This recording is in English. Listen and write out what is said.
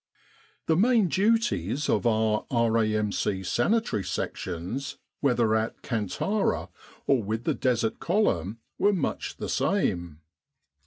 The main duties of our R.A.M.C. Sanitary Sections, whether at Kantara or with the Desert Column, were much the same.